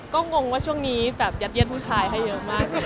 ก็งงว่าช่วงนี้แบบยัดเยียดผู้ชายให้เยอะมาก